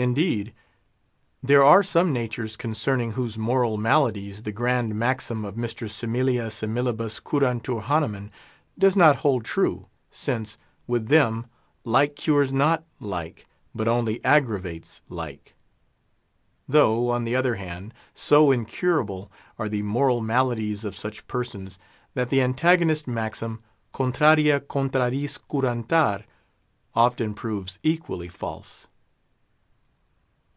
Indeed, there are some natures concerning whose moral maladies the grand maxim of Mr. Similia Similibus Curantur Hahneman does not hold true, since, with them, like cures not like, but only aggravates like. Though, on the other hand, so incurable are the moral maladies of such persons, that the antagonist maxim, contraria contrariis curantar, often proves equally false.